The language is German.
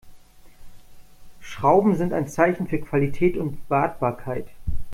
Schrauben sind ein Zeichen für Qualität und Wartbarkeit.